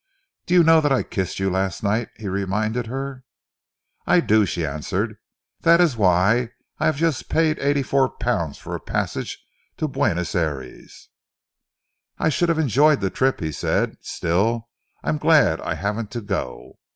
"Do you know that I kissed you last night?" he reminded her. "I do," she answered. "That is why I have just paid eighty four pounds for a passage to Buenos Ayres." "I should have enjoyed the trip," he said. "Still, I'm glad I haven't to go."